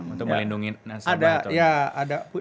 untuk melindungi nasibah atau